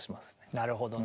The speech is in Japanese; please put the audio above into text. なるほどね。